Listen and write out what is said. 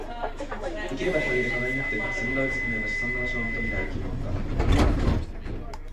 できれば日陰で、蚊がいなくて、蝉がうるさくない場所、そんな場所を求めて歩き回った